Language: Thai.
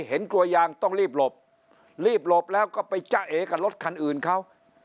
เห็นกลัวยางต้องรีบหลบรีบหลบแล้วก็ไปจ้าเอกับรถคันอื่นเขา